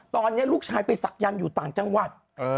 ตอนนี้ลูกชายไปศักยันต์อยู่ต่างจังหวัด